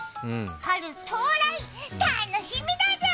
春到来、楽しみだぜぃ！